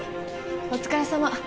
お疲れさま。